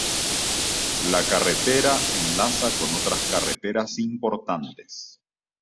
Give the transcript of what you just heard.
La carretera enlaza con otras carreteras importantes.